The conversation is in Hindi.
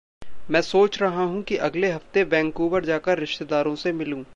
मैं सोच रहा हूँ कि अगले हफ़्ते वैनकूवर जाकर रिश्तेदारों से मिलूँ।